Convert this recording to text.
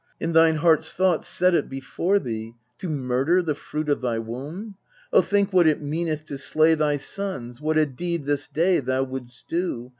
In thine heart's thoughts set it before thee To murder the fruit of thy womb ! O think what it meaneth to slay Thy sons what a deed this day Thou wouldst do